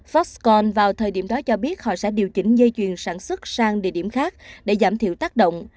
foxcon vào thời điểm đó cho biết họ sẽ điều chỉnh dây chuyền sản xuất sang địa điểm khác để giảm thiểu tác động